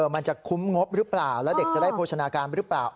มันจะคุ้มงบหรือเปล่าแล้วเด็กจะได้โภชนาการหรือเปล่า